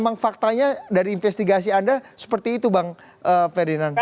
memang faktanya dari investigasi anda seperti itu bang ferdinand